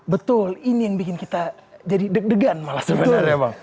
betul ini yang bikin kita jadi deg degan malah sebetulnya bang